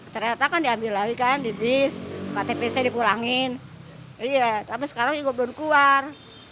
ternyata kan diambil lagi kan di bis ktpc dipulangin iya tapi sekarang ini belum keluar